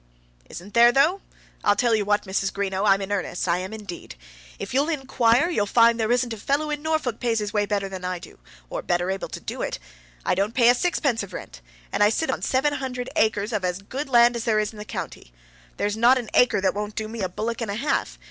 "Isn't there though? I'll tell you what, Mrs. Greenow; I'm in earnest, I am indeed. If you'll inquire, you'll find there isn't a fellow in Norfolk pays his way better than I do, or is better able to do it. I don't pay a sixpence of rent, and I sit upon seven hundred acres of as good land as there is in the county. There's not an acre that won't do me a bullock and a half.